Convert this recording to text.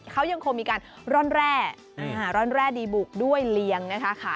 เขายังคงมีการร่อนแร่ร่อนแร่ดีบุกด้วยเลี้ยงนะคะ